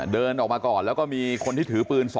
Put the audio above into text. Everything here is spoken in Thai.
เดินออกมาก่อนแล้วก็มีคนที่ถือปืน๒